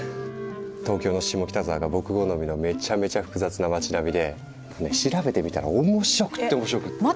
東京の下北沢が僕好みのめちゃめちゃ複雑な町並みで調べてみたら面白くって面白くって。